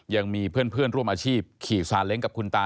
ยังมีเพื่อนร่วมอาชีพขี่ซาเล้งกับคุณตา